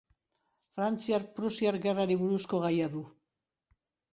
Frantziar-Prusiar Gerrari buruzko gaia du.